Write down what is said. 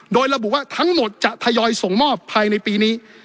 โดยระบุว่าทั้งหมดจะทยอยส่งมอบภายในปีนี้